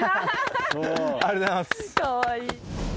かわいい。